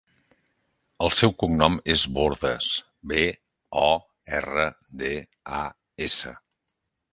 El seu cognom és Bordas: be, o, erra, de, a, essa.